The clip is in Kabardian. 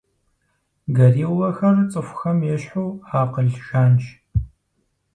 Гориллэхэр цӏыхухэм ещхьу акъыл жанщ.